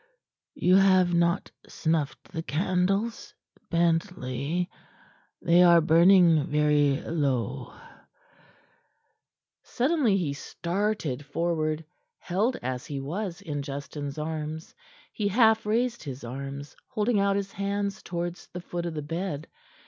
You have not snuffed the candles, Bentley. They are burning very low." Suddenly he started forward, held as he was in Justin's arms. He half raised his arms, holding out his hands toward the foot of the bed.